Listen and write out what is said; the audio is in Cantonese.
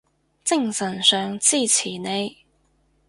精神上支持你